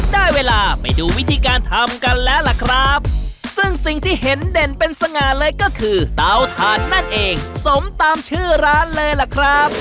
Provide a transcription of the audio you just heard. ได้เวลาไปดูวิธีการทำกันแล้วล่ะครับซึ่งสิ่งที่เห็นเด่นเป็นสง่าเลยก็คือเตาถ่านนั่นเองสมตามชื่อร้านเลยล่ะครับ